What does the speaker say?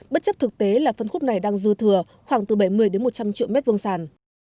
bất chấp thực tế là phân khúc này đang dư thừa khoảng từ bảy mươi đến một trăm linh triệu mét vuông sàn